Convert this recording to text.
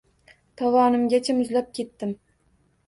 Tovonimgacha muzlab ketdim.